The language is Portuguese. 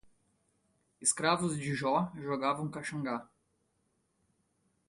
Escravos de Jó jogavam caxangá